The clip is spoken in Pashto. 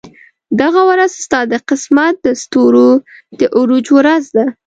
دغه ورځ ستا د قسمت د ستورو د عروج ورځ ده.